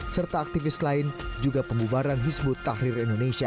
serta aktivis lain juga pembubaran hizbut tahrir indonesia